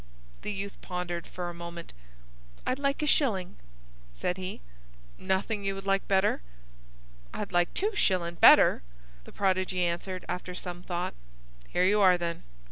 The youth pondered for a moment. "I'd like a shillin'," said he. "Nothing you would like better?" "I'd like two shillin' better," the prodigy answered, after some thought. "Here you are, then!